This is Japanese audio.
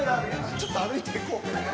ちょっと歩いていこう。